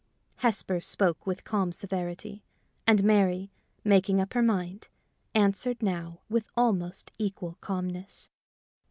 Hesper spoke with calm severity, and Mary, making up her mind, answered now with almost equal calmness.